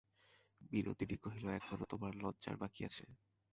বিনোদিনী কহিল, এখনো তোমার লজ্জার বাকি আছে?